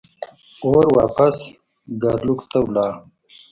اور واپس ګارلوک ته لاړ.